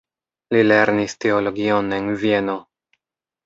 Li lernis teologion en Vieno.